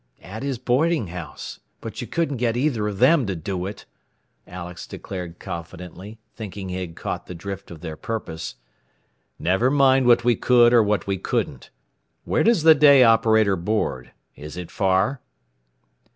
"At his boarding house. But you couldn't get either of them to do it," Alex declared confidently, thinking he had caught the drift of their purpose. "Never mind what we could or what we couldn't. Where does the day operator board? Is it far?"